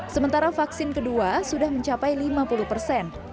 sementara vaksin kedua sudah mencapai lima puluh persen